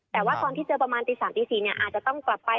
แต่ว่าตอนที่เจอประมาณตี๓ตี๔อาจจะต้องกลับไป